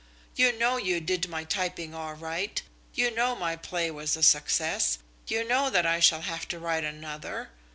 You know you did my typing all right, you know my play was a success, you know that I shall have to write another.